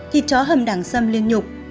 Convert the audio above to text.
thịt chó hầm đảng sâm liên nhục